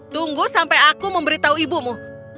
tunggu sampai aku memberitahu ibumu